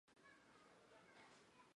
因比萨斜塔闻名于世。